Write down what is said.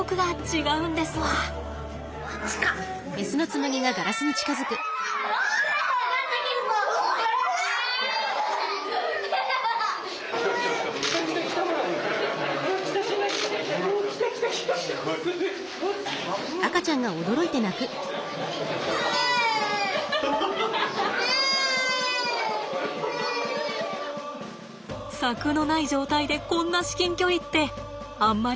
柵のない状態でこんな至近距離ってあんまりない経験だもの。